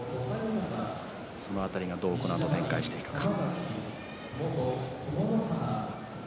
その辺りどうこのあと展開していくか。